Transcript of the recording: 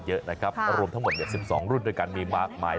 เท่านั้นยังไม่พอ